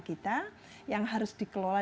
kita yang harus dikelola